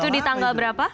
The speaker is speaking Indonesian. itu di tanggal berapa